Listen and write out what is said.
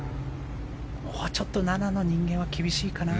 もう、ちょっと７の人間は厳しいかな。